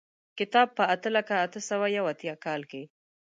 کتاب په اته لکه اته سوه یو اتیا کال کې.